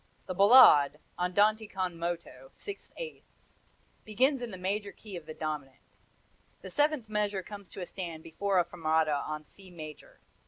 The Ballade andante con moto, six eighths begins in the major key of the dominant; the seventh measure comes to a stand before a fermata on C major.